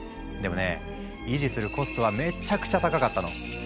でもね維持するコストはめちゃくちゃ高かったの。